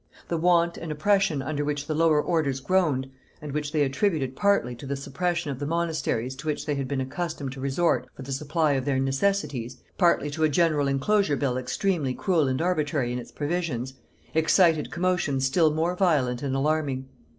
The want and oppression under which the lower orders groaned, and which they attributed partly to the suppression of the monasteries to which they had been accustomed to resort for the supply of their necessities, partly to a general inclosure bill extremely cruel and arbitrary in its provisions, excited commotions still more violent and alarming.